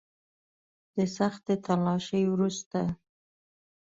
د سختې تلاشۍ وروسته.